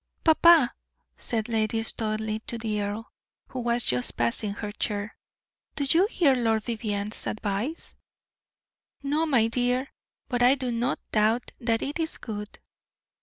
"Papa," said Lady Studleigh to the earl, who was just passing her chair, "do you hear Lord Vivianne's advice?" "No, my dear; but I do not doubt that it is good."